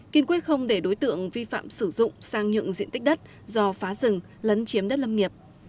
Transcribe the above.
kiên quyết không để đối tượng vi phạm sử dụng sang nhượng diện tích đất do phá rừng lấn chiếm đất lâm nghiệp